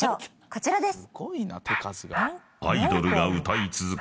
こちらです。